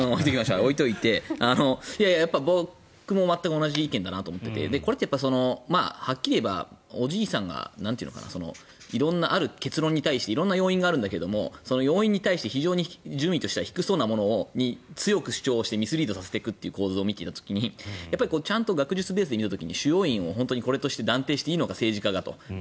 やっぱり僕も全く同じ意見だなと思っていてこれって、はっきり言えばおじいさんが色んな、ある結論に対して色んな要因があるんだけどその要因に対して非常に順位としては低そうなものを強く主張をしてミスリードさせていくという構造を見た時にちゃんと学術ベースで見た時に主要因をこれとして断定していいのか、政治家がと。